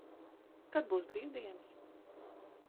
Kad būs brīvdienas?